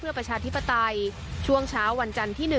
ประชาธิปไตยช่วงเช้าวันจันทร์ที่๑